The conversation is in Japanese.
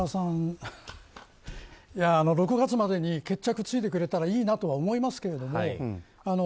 ６月までに決着ついてくれたらいいなと思いますけど。